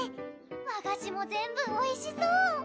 和菓子も全部おいしそう！